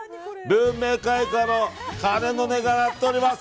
文明開化の鐘の音が鳴っております。